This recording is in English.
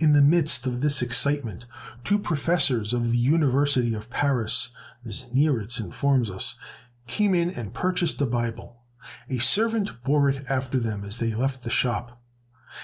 In the midst of this excitement two professors of the University of Paris, as Neiritz informs us, came in and purchased a Bible. A servant bore it after them as they left the shop.